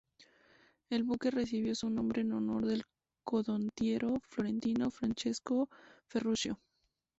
El buque recibió su nombre en honor del condottiero florentino "Francesco Ferruccio".